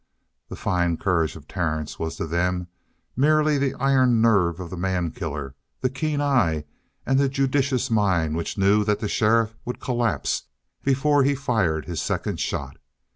The fine courage of Terence was, to them, merely the iron nerve of the man killer, the keen eye and the judicious mind which knew that the sheriff would collapse before he fired his second shot.